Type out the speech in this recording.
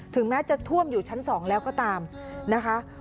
แม้จะท่วมอยู่ชั้น๒แล้วก็ตามนะคะ